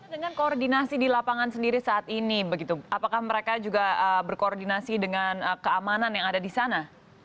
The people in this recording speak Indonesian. dengan koordinasi di lapangan sendiri saat ini apakah mereka juga berkoordinasi dengan keamanan yang ada di sana